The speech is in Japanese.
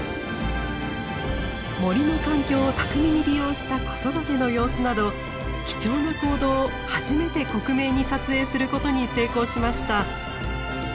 森の環境を巧みに利用した子育ての様子など貴重な行動を初めて克明に撮影することに成功しました。